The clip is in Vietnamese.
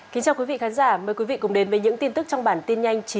kính chào quý vị khán giả mời quý vị cùng đến với những tin tức trong bản tin nhanh chín h